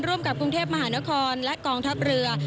ร่วมกับกรุงเทพมหานครและกองทัพเรือ